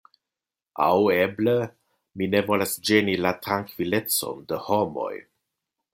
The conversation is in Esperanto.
Aŭ eble, mi ne volas ĝeni la trankvilecon de homoj.